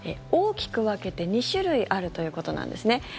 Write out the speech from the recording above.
大きく分けて２種類あるということなんですね。